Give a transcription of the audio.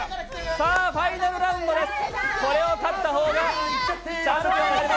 さあ、ファイナルラウンドです。